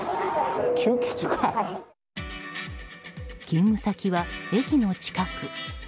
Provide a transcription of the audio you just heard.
勤務先は駅の近く。